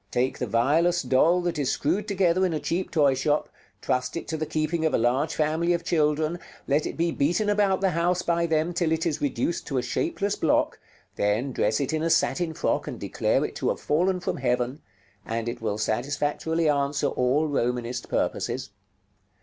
Take the vilest doll that is screwed together in a cheap toy shop, trust it to the keeping of a large family of children, let it be beaten about the house by them till it is reduced to a shapeless block, then dress it in a satin frock and declare it to have fallen from heaven, and it will satisfactorily answer all Romanist purposes.